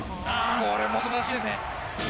これもすばらしいですね。